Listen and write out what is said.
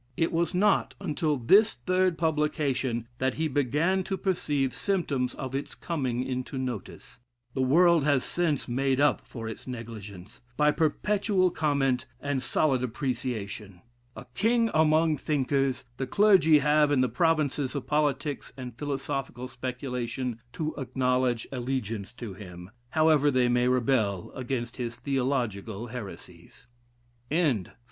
It was not until this third publication that he "began to perceive symptoms of its coming into notice." The world has since made up for its negligence, by perpetual comment and solid appreciation. A king among thinkers, the clergy have in the provinces of politics and philosophical speculation to acknowledge allegiance to him, however they may rebel against his theological heresies. J. W. DR.